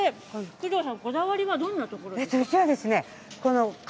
工藤さん、こだわりはどんなところですか。